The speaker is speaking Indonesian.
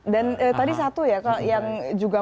dan tadi satu ya yang juga